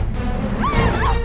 mbak mbak mbak